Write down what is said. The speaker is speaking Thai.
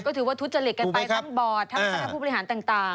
ก็ถือว่าทุจริตกันไปทั้งบอร์ดทั้งคณะผู้บริหารต่าง